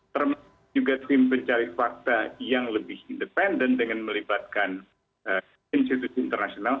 termasuk juga tim pencari fakta yang lebih independen dengan melibatkan institusi internasional